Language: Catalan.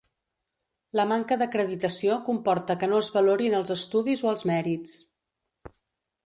La manca d'acreditació comporta que no es valorin els estudis o els mèrits.